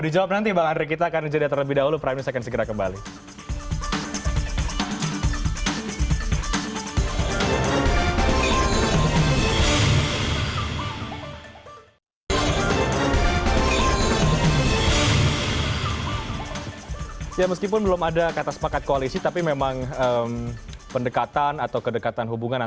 dijawab nanti pak andre kita akan menjelaskan terlebih dahulu